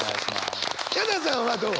ヒャダさんはどう？